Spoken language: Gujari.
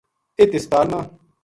اِت ہسپتال ما